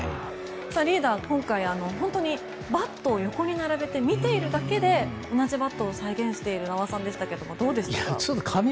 リーダーバットを横に並べて見ているだけで、同じバットを再現している名和さんでしたがどうでしたか？